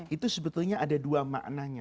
itu sebetulnya ada dua maknanya